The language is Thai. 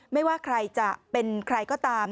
ไม่ว่าใครจะเป็นใครก็ตาม